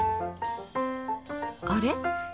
あれ？